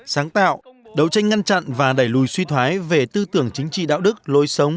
sáng tạo đấu tranh ngăn chặn và đẩy lùi suy thoái về tư tưởng chính trị đạo đức lối sống